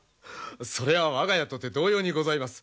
それは我が家とて同様にございます。